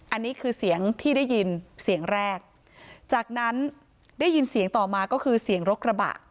อันนี้คือเสียงที่ได้ยินเสียงแรกจากนั้นได้ยินเสียงต่อมาก็คือเสียงรถกระบะ